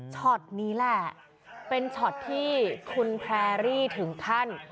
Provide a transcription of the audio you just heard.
ช็อตนี้แหละเป็นช็อตที่คุณแพรรี่ถึงขั้น